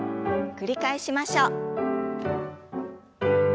繰り返しましょう。